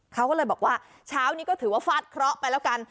เขาก็เลยบอกว่าเช้านี้ก็ถือว่าฟาดเคราะห์ไปแล้วกัน